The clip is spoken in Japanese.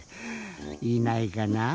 いないかなぁ？